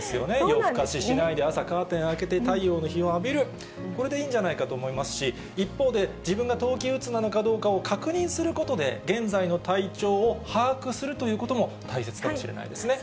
夜更かししないで、朝カーテン開けて、太陽の日を浴びる、それでいいんじゃないかと思いますし、一方で自分が冬季うつなのかどうかを確認することで、現在の体調を把握するということも大切かもしれないですね。